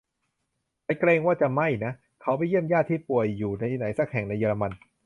ฉันเกรงว่าจะไม่นะ เขาไปเยี่ยมญาติที่ป่วยอยู่ที่ไหนสักแห่งในเยอรมัน